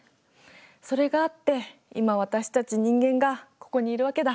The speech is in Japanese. それがあって今私たち人間がここにいるわけだ。